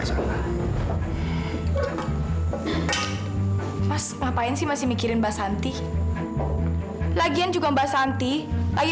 sampai gak lagi itu bu